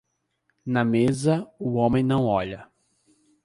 Na mesa, o homem não olha.